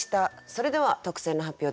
それでは特選の発表です。